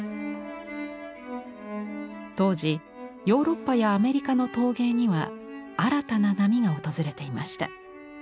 当時ヨーロッパやアメリカの陶芸には新たな波が訪れていました。